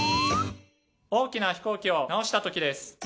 大きな飛行機を直したときです。